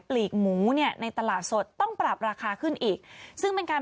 ลีกหมูเนี่ยในตลาดสดต้องปรับราคาขึ้นอีกซึ่งเป็นการ